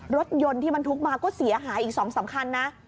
รถยนต์ที่บรรทุกมาก็เสียหายอีก๒๓คันนะ